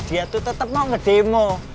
dia tuh tetep mau ngedemo